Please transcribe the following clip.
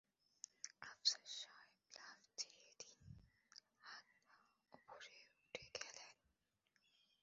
আফসার সাহেব লাফ দিয়ে তিন হাত ওপরে উঠে গেলেন।